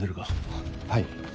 あっはい。